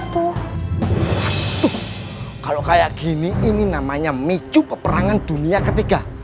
tuh kalau kayak gini ini namanya micu peperangan dunia ketiga